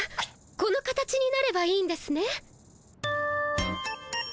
この形になればいいんですね。